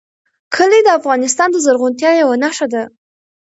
کلي د افغانستان د زرغونتیا یوه نښه ده.